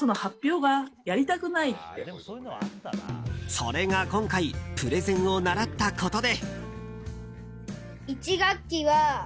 それが今回プレゼンを習ったことで。